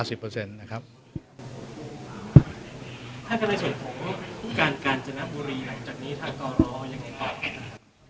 ถ้าเกิดในส่วนของการการจนรับบุรีหลังจากนี้ท่านก่อร้อยังไงต่อ